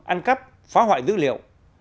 ăn cắp phá hoại dữ liệu